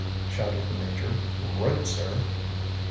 ŌĆØ shouted the Major. ŌĆ£Right, sir!